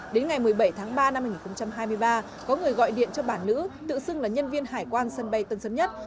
đến ngày một mươi bảy tháng ba năm hai nghìn hai mươi ba có người gọi điện cho bà nữ tự xưng là nhân viên hải quan sân bay tân sơn nhất